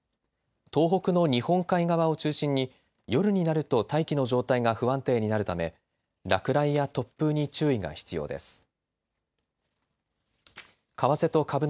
東北の日本海側を中心に夜になると大気の状態が不安定になるため落雷や突風に注意が必要です。